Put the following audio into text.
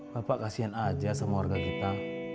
bapak kasian aja sama warga kita